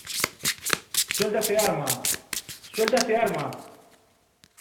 ¡ suelta ese arma! ¡ suelta ese arma !